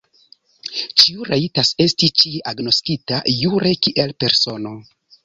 Ĉiu rajtas esti ĉie agnoskita jure kiel persono.